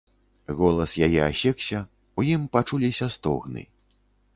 Голас яе асекся, у ім пачуліся стогны.